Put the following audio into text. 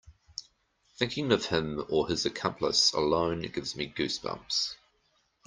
Thinking of him or his accomplice alone gives me goose bumps.